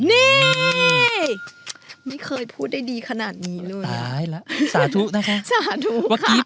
นี่ไม่เคยพูดได้ดีขนาดนี้เลยตายแล้วสาธุนะคะสาธุ